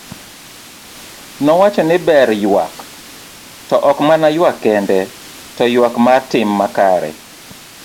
Nowacho ni ber ywak, to ok mana ywak kende, to ywak mar tim makare.